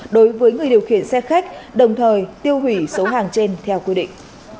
đối với người điều khiển xe khách đồng thời tiêu hủy số hàng trên theo quy định